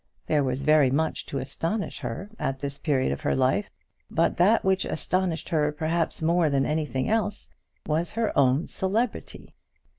There was very much to astonish her at this period of her life, but that which astonished her perhaps more than anything else was her own celebrity.